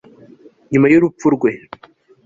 nyuma y urupfu rwe